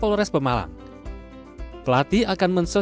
polres pemalang jawa jawa jawa pertama